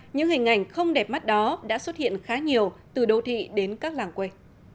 những hình ảnh không đẹp mắt đó đã xuất hiện khá nhiều từ đô thị đến các làng quê